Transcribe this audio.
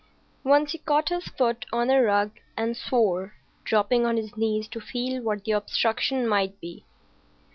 Once he caught his foot on a rug, and swore, dropping on his knees to feel what the obstruction might be.